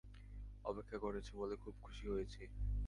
অপেক্ষা করেছ বলে খুব খুশি হয়েছি।